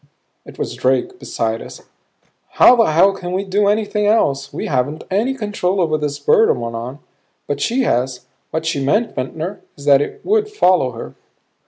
It was Drake beside us. "How the hell can we do anything else? We haven't any control over this bird we're on. But she has. What she meant, Ventnor, is that it would follow her."